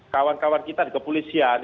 kawan kawan kita di kepolisian